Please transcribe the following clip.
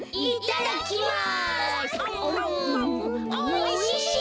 おいしい！